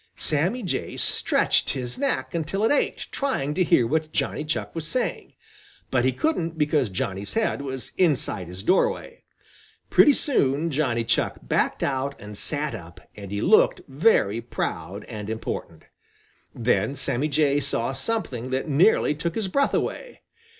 Sammy Jay stretched his neck until it ached, trying to hear what Johnny Chuck was saying, but he couldn't because Johnny's head was inside his doorway. Pretty soon Johnny Chuck backed out and sat up, and he looked very proud and important. Then Sammy Jay saw something that nearly took his breath away.